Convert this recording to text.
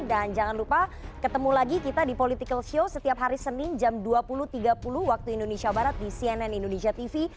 jangan lupa ketemu lagi kita di political show setiap hari senin jam dua puluh tiga puluh waktu indonesia barat di cnn indonesia tv